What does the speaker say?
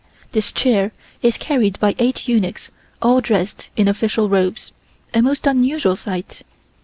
This chair is carried by eight eunuchs all dressed in official robes, a most unusual sight.